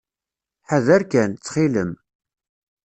Ḥader kan, ttxil-m.